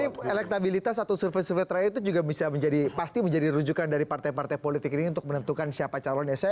tapi elektabilitas atau survei survei terakhir itu juga bisa menjadi pasti menjadi rujukan dari partai partai politik ini untuk menentukan siapa calonnya